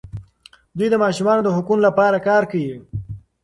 دوی د ماشومانو د حقونو لپاره کار کوي.